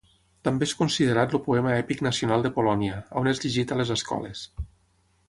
També és considerat el poema èpic nacional de Polònia, on és llegit a les escoles.